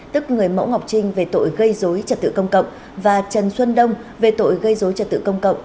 tức người mẫu ngọc trinh về tội gây dối trật tự công cộng và trần xuân đông về tội gây dối trật tự công cộng